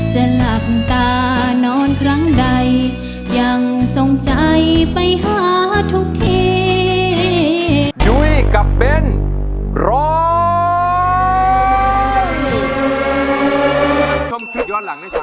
จะหลับตานอนครั้งใดยังทรงใจไปหาทุกที